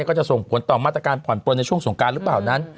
ก็จะส่งผลต่อมาตรการผ่อนปลนในช่วงสงการหรือเปล่านั้น